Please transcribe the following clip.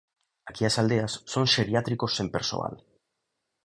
Aquí as aldeas son xeriátricos sen persoal.